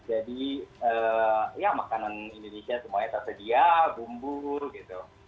ya makanan indonesia semuanya tersedia bumbu gitu